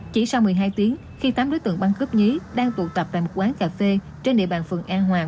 chỉ sau một mươi hai tiếng khi tám đối tượng băng cướp nhí đang tụ tập tại một quán cà phê trên địa bàn phường an hòa